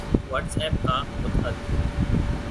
what's app کا متعد